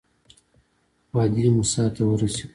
وادي موسی ته ورسېدو.